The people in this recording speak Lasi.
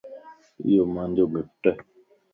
ايو مانجو گفٽ